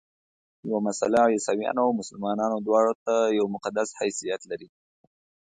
یوه مسله عیسویانو او مسلمانانو دواړو ته یو مقدس حیثیت لري.